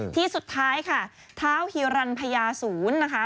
ที่สุดท้ายค่ะท้าวฮิรันพญาศูนย์นะคะ